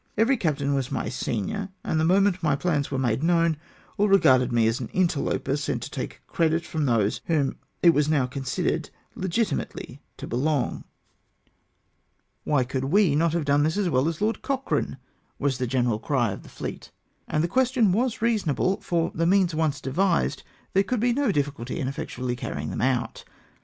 Every captain was my senior, and the moment my plans were made known, all regarded me as an interloper, sent to take the credit from those to whom it was now considered legitimately to belong. " Why aa2 356 ILL HUMOUR OF THE FLEET. could wc not have done this as well as Lord Cochrane?" was the general cry of the fleet, and the question was reasonable ; for the means once devised, there could be no difficulty in effectually carrying them out.